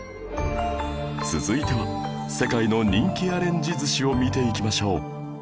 続いては世界の人気アレンジ寿司を見ていきましょう